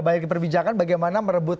bayar di perbincangan bagaimana